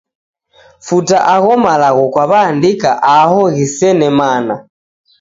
Futa agho malagho kwaandika aho ghisene mana.